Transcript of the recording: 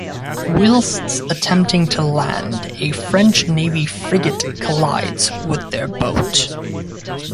Whilst attempting to land, a French navy frigate collides with their boat.